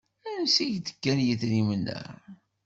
Ansi k-d-kkan yidrimen-a?